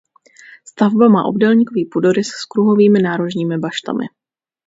Stavba má obdélníkový půdorys s kruhovými nárožními baštami.